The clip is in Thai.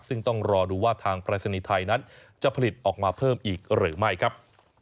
ซึ่งต้องรอดูว่าทางปรายศนีย์ไทยนั้นจะผลิตออกมาเพิ่มอีกหรือไม่ครับ